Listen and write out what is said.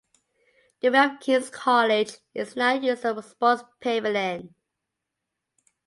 The rear of King's College is now used as a sports pavilion.